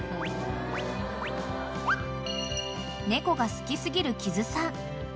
［猫が好き過ぎる木津さん］